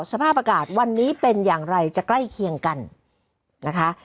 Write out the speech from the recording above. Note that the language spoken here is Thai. สภาพอากาศวันนี้เป็นอย่างไรจะใกล้เคียงกันนะคะ